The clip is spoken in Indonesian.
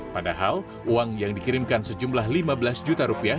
padahal uang yang dikirimkan sejumlah lima belas juta rupiah